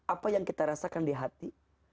apa yang kita rasakan di hati